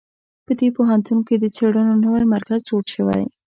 په دې پوهنتون کې د څېړنو نوی مرکز جوړ شوی